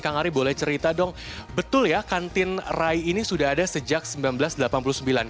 kang ari boleh cerita dong betul ya kantin rai ini sudah ada sejak seribu sembilan ratus delapan puluh sembilan